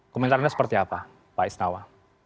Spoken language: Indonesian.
komentarnya seperti apa pak isnawa